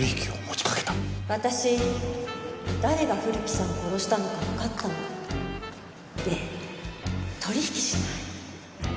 私誰が古木さん殺したのかわかったの。ねえ取引しない？